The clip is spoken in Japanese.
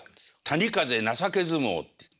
「谷風情け相撲」っていう。